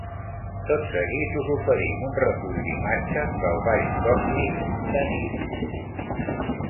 Tot seguit us oferim un recull d’imatges del ball còsmic d’anit.